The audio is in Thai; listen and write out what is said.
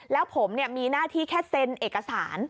แล้วผมมีหน้าที่แค่เซ็นเอกสาร